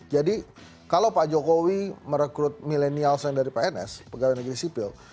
jadi kalau pak jokowi merekrut milenials yang dari pns pegawai negeri sipil